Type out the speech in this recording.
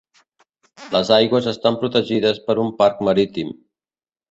Les aigües estan protegides per un Parc Marítim.